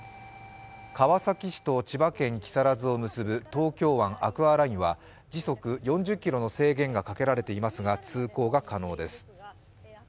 川崎市と千葉県木更津を結ぶ、東京湾アクアラインはじそく４０キロの制限がかけられていますが通行が可能です。